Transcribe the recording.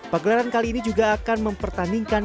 pagelaran kali ini juga akan mempertandingkan